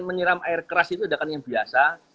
menyeram air keras itu adalah yang biasa